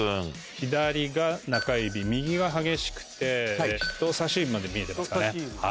左が中指右が激しくて人さし指まで見えてますかね。